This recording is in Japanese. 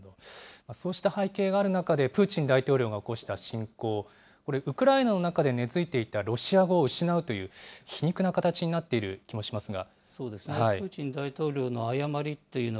そうした背景がある中で、プーチン大統領が起こした侵攻、これ、ウクライナの中で根づいていたロシア語を失うという、皮肉な形になっている気もしますが。